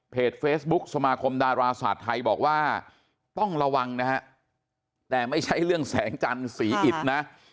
เฟซบุ๊กสมาคมดาราศาสตร์ไทยบอกว่าต้องระวังนะฮะแต่ไม่ใช่เรื่องแสงจันทร์สีอิดนะ